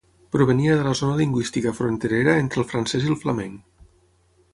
Provenia de la zona lingüística fronterera entre el francés i el flamenc.